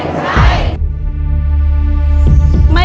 ใช้